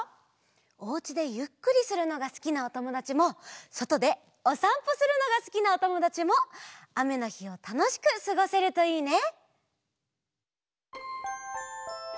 おうちでゆっくりするのがすきなおともだちもそとでおさんぽするのがすきなおともだちもあめのひをたのしくすごせるといいね！